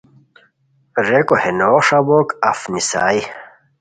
ریکو ہے نوغ ݰابوک اف نیسائے